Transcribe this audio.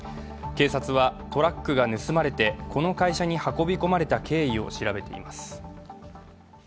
警察は、トラックが盗まれてこの会社に運び込まれた経緯を調べています。